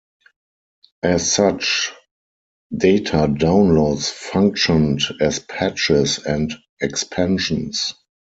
As such, data downloads functioned as patches and expansions.